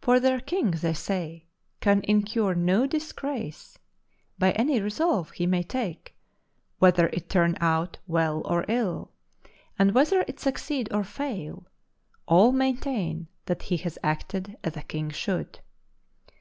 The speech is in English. For their king, they say, can incur no disgrace by any resolve he may take, whether it turn out well or ill; and whether it succeed or fail, all maintain that he has acted as a king should.